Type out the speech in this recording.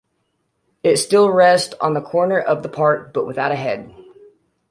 It still rest on the corner of the park, but without a head.